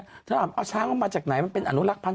ถ้าถามเอาช้างออกมาจากไหนมันเป็นอนุรักษ์พันธ์